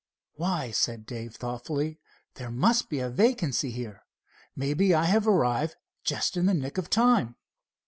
"Why," said Dave thoughtfully, "there must be a vacancy here. Maybe I have arrived just in the nick of time."